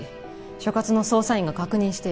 所轄の捜査員が確認している。